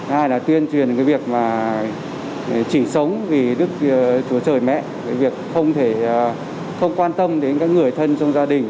hai là tuyên truyền cái việc mà chỉ sống vì đức chúa trời mẹ việc không thể không quan tâm đến các người thân trong gia đình